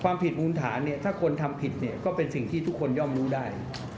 ความผิดมุมฐานถ้าคนทำผิดก็เป็นสิ่งที่ทุกคนยอมรู้ได้